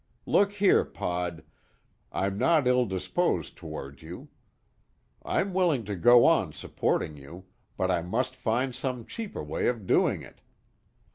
Look here, Pod, I'm not ill disposed toward you. I'm willing to go on supporting you, but I must find some cheaper way of doing it.